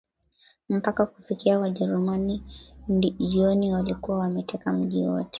Mpaka kufikia Wajerumani jioni walikuwa wameteka mji wote